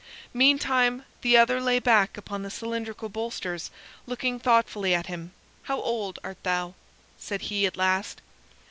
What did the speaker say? Meantime the other lay back upon the cylindrical bolsters, looking thoughtfully at him. "How old art thou?" said he at last.